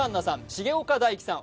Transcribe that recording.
重岡大毅さん